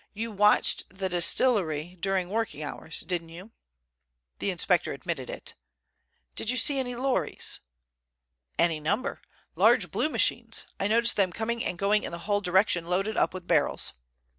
You watched the distillery during working hours, didn't you?" The inspector admitted it. "Did you see any lorries?" "Any number; large blue machines. I noticed them going and coming in the Hull direction loaded up with barrels."